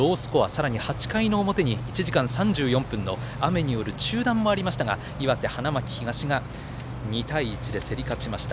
さらに８回の表に１時間３４分の雨による中断もありましたが岩手、花巻東２対１で競り勝ちました。